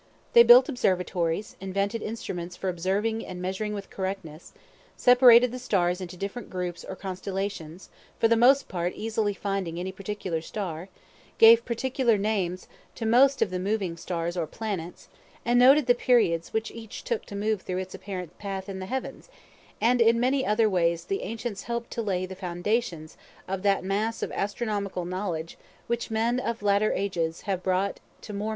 They built observatories, invented instruments for observing and measuring with correctness, separated the stars into different groups or constellations, for the more easily finding any particular star, gave particular names to most of the moving stars or planets, and noted the periods which each took to move through its apparent path in the heavens; and in many other ways the ancients helped to lay the foundations of that mass of astronomical knowledge which men of later ages have brought to more maturity.